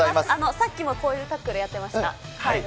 さっきもこういうタックルやってました。